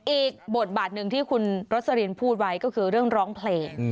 อีกบทบาทหนึ่งที่คุณรสลินพูดไว้ก็คือเรื่องร้องเพลง